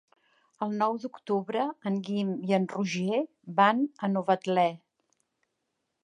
El nou d'octubre en Guim i en Roger van a Novetlè.